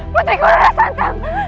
putriku lelah santan